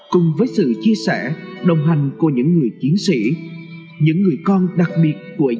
cùng với sự chia sẻ các cán bộ chiến sĩ luôn phiền nhau trực riêng thượng úy lê minh phước